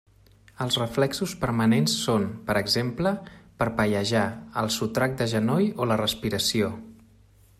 Els reflexos permanents són, per exemple, parpellejar, el sotrac de genoll o la respiració.